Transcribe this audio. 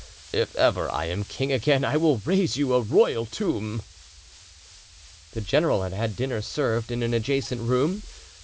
if ever I am king again, I will raise you a royal tomb." The general had had dinner served in an adjacent room.